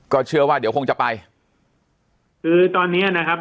เชื่อว่าเดี๋ยวคงจะไปคือตอนเนี้ยนะครับ